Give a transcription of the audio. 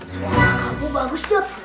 suara kamu bagus dut